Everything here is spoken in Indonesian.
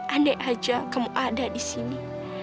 andai aja kamu ada di sini